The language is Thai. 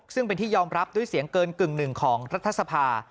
ซึ่งเป็นที่ยอมรับด้วยเสียงเกินกึ่งหนึ่งของรัฐสภา